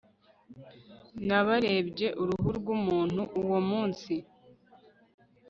Nabarebye uruhu rwumuntu uwo munsi